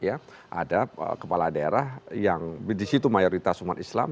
ada kepala daerah yang disitu mayoritas umat islam